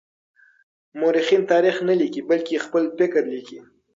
مورخين تاريخ نه ليکي بلکې خپل فکر ليکي.